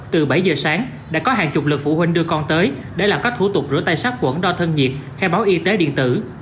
từ bảy giờ sáng đã có hàng chục lực phụ huynh đưa con tới để làm các thủ tục rửa tay sát quẩn đo thân nhiệt khai báo y tế điện tử